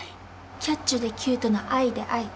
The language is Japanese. キャッチュでキュートなアイでアイ。